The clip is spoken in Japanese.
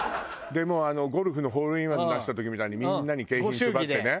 もうゴルフのホールインワン出した時みたいにみんなに景品配ってね。